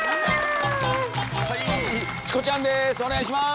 チコちゃんです。